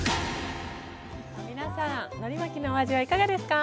皆さん、のり巻きのお味はいかがですか？